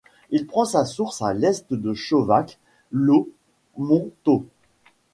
Il prend sa source à l'est de Chauvac-Laux-Montaux.